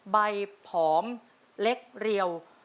ผอมเล็กเรียว